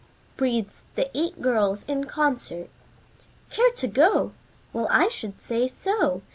breathed the eight girls in concert. "Care to go? Well I should say so.